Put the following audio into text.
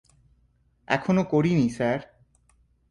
এখনো করিনি, স্যার।